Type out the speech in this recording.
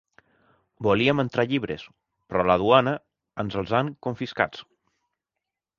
Volíem entrar llibres, però a la duana ens els han confiscats.